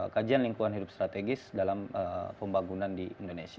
kajian lingkungan hidup strategis dalam pembangunan di indonesia